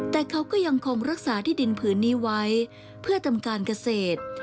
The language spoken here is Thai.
แต่เขาก็ยังคงรักษาที่ดินผืนนี้ไว้เพื่อทำการเกษตร